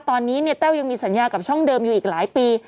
ตอนนี้เนี่ยแต้วยังมีสัญญากับช่องเดิมอยู่อีกหลายปี